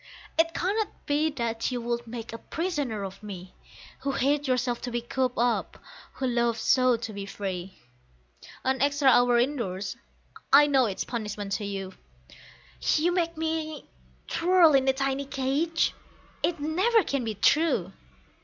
It cannot be that you would make a prisoner of me, Who hate yourself to be cooped up, who love so to be free; An extra hour indoors, I know, is punishment to you; You make me twirl a tiny cage? It never can be true!